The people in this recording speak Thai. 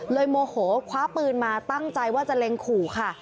โมโหคว้าปืนมาตั้งใจว่าจะเล็งขู่ค่ะ